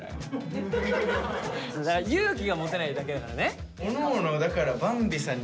勇気が持てないだけだからね。